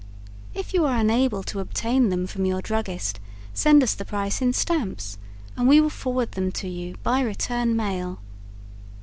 If you are unable to obtain them from your druggist send us the price in stamps and we will forward them to you by return mail.